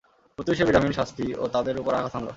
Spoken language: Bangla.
প্রত্যুষে বিরামহীন শাস্তি ও তাদের উপর আঘাত হানল।